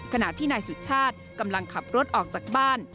ขณะที่นายสุชาติกำลังขับรถออกจากบ้าน